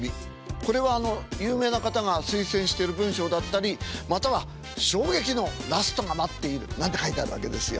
これはあの有名な方が推薦してる文章だったりまたは「衝撃のラストが待っている」なんて書いてあるわけですよ。